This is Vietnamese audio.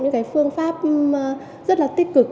những cái phương pháp rất là tích cực